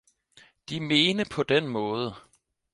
De mene paa den maade